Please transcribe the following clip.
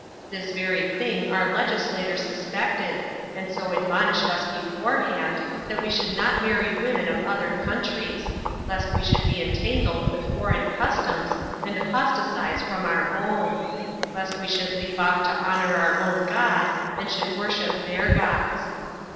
This very thing our legislator suspected, and so admonished us beforehand, that we should not marry women of other countries, lest we should be entangled with foreign customs, and apostatize from our own; lest we should leave off to honor our own God, and should worship their gods.